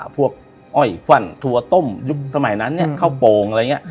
พวกอ้อยฟั่นถั่วต้มยุคสมัยนั้นเนี่ยเข้าโปรงอะไรอย่างเงี้ย